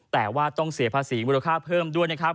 แต่ว่าต้องเสียภาษีมูลค่าเพิ่มด้วยนะครับ